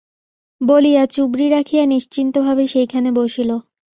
বলিয়া চুবড়ি রাখিয়া নিশ্চিন্তভাবে সেইখানে বসিল।